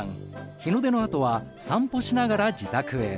日の出のあとは散歩しながら自宅へ。